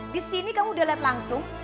di sini kamu udah lihat langsung